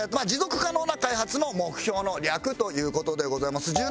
持続可能な開発の目標の略という事でございます。